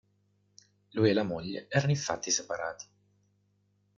Lui e la moglie erano infatti separati.